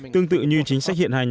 tương tự như chính sách hiện hành